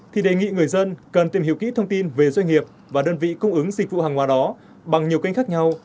thì đề nghị người dân cần tìm hiểu kỹ thông tin về doanh nghiệp và đơn vị cung ứng dịch vụ hàng hóa đó bằng nhiều kênh khác nhau